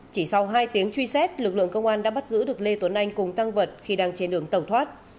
chỉ sau hai tiếng truy xét lực lượng công an đã bắt giữ được lê tuấn anh cùng tăng vật khi đang trên đường tẩu thoát